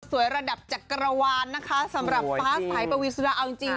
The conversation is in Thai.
ระดับจักรวาลนะคะสำหรับฟ้าสายปวีสุดาเอาจริง